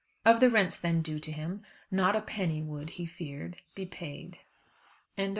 Of the rents then due to him, not a penny would, he feared, be paid. END OF VOL.